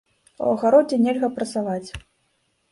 У агародзе нельга працаваць.